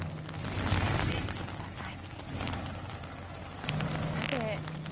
お気を付けください。